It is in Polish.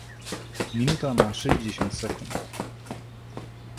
Minuta ma sześćdziesiąt sekund.